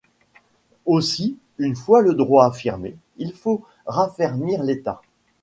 Aussi, une fois le droit affirmé, il faut raffermir l’état.